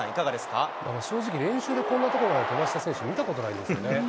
正直、練習でこんな所まで飛ばした選手、見たことないですよね。